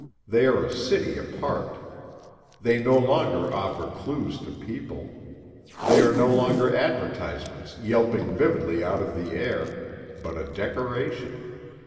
They are a city apart. They no longer offer clews to people. They are no longer advertisements yelping vividly out of the air, but a decoration.